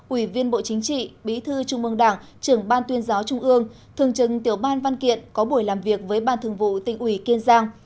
ủy viên bộ chính trị bí thư trung mương đảng trưởng ban tuyên giáo trung ương thường trừng tiểu ban văn kiện có buổi làm việc với ban thường vụ tỉnh ủy kiên giang